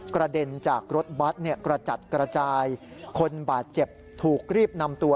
กระเด็นจากรถบัตรกระจัดกระจายคนบาดเจ็บถูกรีบนำตัว